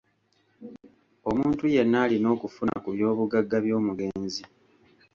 Omuntu yenna alina okufuna ku byobugagga by’omugenzi.